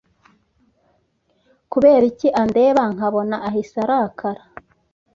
kuberiki andeba nkabona ahise arakara?